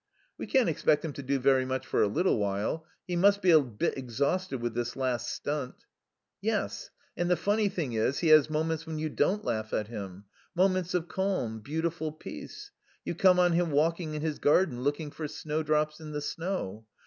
"We can't expect him to do very much for a little while. He must be a bit exhausted with this last stunt." "Yes. And the funny thing is he has moments when you don't laugh at him. Moments of calm, beautiful peace.... You come on him walking in his garden looking for snowdrops in the snow.